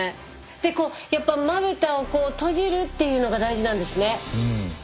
でこうやっぱまぶたを閉じるっていうのが大事なんですね。